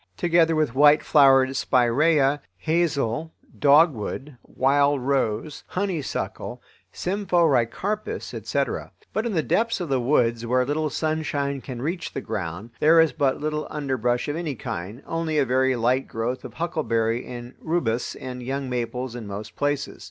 Together with white flowered spiraea twenty feet high, hazel, dogwood, wild rose, honeysuckle, symphoricarpus, etc. But in the depths of the woods, where little sunshine can reach the ground, there is but little underbrush of any kind, only a very light growth of huckleberry and rubus and young maples in most places.